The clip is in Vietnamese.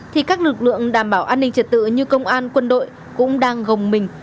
thì các lực lượng đảm bảo an ninh trật tự như công an quân đội cũng đang gồng mình